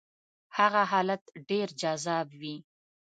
هغه حالت ډېر جذاب وي.